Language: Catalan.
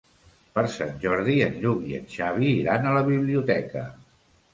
Per Sant Jordi en Lluc i en Xavi iran a la biblioteca.